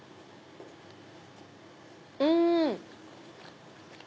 うん！